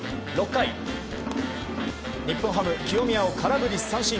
６回日本ハム、清宮を空振り三振。